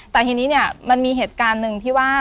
แต่ทีนี้เนี่ยมันมีเหตุการณ์หนึ่งที่ว่า